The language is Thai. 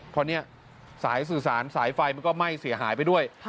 เพราะเนี่ยสายสื่อสารสายไฟมันก็ไหม้เสียหายไปด้วย